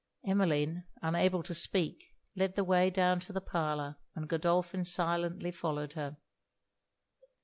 Emmeline, unable to speak, led the way down to the parlour, and Godolphin silently followed her.